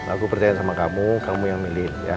aku percaya sama kamu kamu yang milih